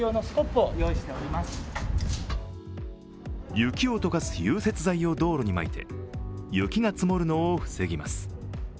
雪を解かす融雪剤を道路にまいて雪が積もるのを防ぎます。